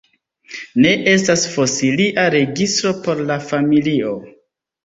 Ne estas fosilia registro por la familio.